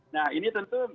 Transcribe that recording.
nah ini tentu